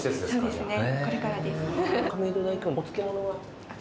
そうです。